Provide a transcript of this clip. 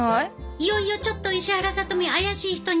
いよいよちょっと石原さとみ怪しい人に。